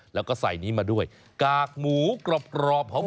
แล้วก็ใส่นี้มาด้วยกากหมูกรอบหอม